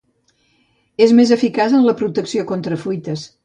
És més eficaç en la protecció contra fuites.